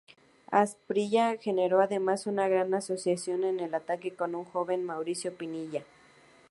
Asprilla generó además una gran asociación en el ataque con un joven Mauricio Pinilla.